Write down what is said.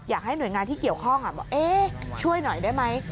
อยากให้หน่วยงานที่เกี่ยวข้องบอกช่วยหน่อยได้ไหม